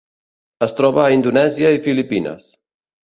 Es troba a Indonèsia i Filipines.